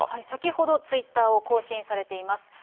先ほど、ツイッターを更新されています。